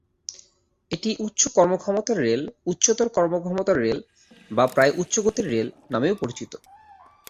এটি উচ্চ-কর্মক্ষমতার রেল, উচ্চতর-কর্মক্ষমতার রেল, বা প্রায়-উচ্চ-গতির রেল, নামেও পরিচিত।